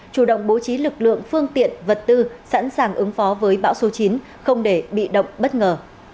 chủ động bố trí lực lượng phương tiện vật tư sẵn sàng ứng phó với bão số chín không để bị động bất ngờ